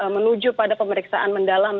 menuju pada pemeriksaan mendalam